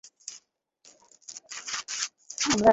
আমরা কোথায় যাবো?